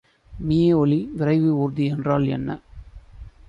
மீஒலி விரைவு ஊர்தி என்றால் என்ன?